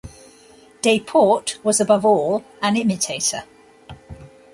Desportes was above all an imitator.